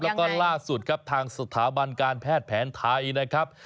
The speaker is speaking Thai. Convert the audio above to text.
แล้วก็ล่าสุดครับทางสถาบันการแพทย์แผนไทยนะครับ